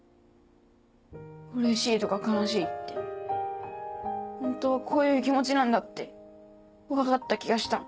うれしいとか悲しいって本当はこういう気持ちなんだって分かった気がした。